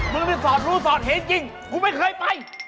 มึงไม่สอดรู้สอดเหจริงกูไม่เคยไป